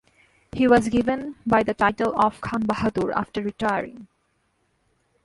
He was given by the title of Khan Bahadur after retiring.